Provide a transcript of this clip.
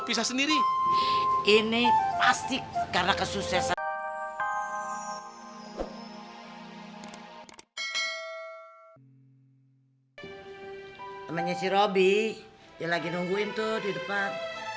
sama sendiri ini pasti karena kesuksesan temennya si robby lagi nungguin tuh di depan